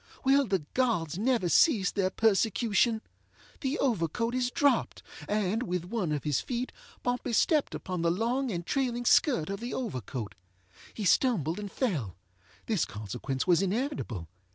Will the gods never cease their persecution? The overcoat is dropped, and, with one of his feet, Pompey stepped upon the long and trailing skirt of the overcoat. He stumbled and fellŌĆöthis consequence was inevitable.